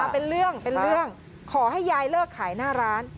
เป็นเรื่องขอให้ยายเลิกขายหน้าร้าน